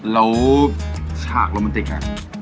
แล้วฉากโรมนติกอ่ะ